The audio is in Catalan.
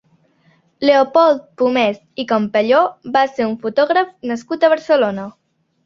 Leopold Pomés i Campello va ser un fotògraf nascut a Barcelona.